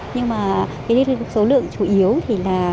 nhưng mà số lượng chủ yếu thì là